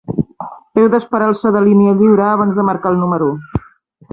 Heu d'esperar el so de línia lliure abans de marcar el número.